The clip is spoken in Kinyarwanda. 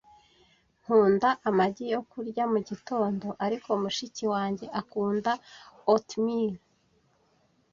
Nkunda amagi yo kurya mugitondo, ariko mushiki wanjye akunda oatmeal.